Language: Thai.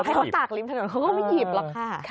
ให้เขาตากริมถนนเขาก็ไม่หยิบหรอกค่ะ